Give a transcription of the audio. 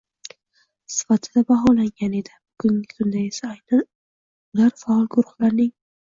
sifatida baholangan edi - bugungi kunda esa aynan ular faol guruhlarning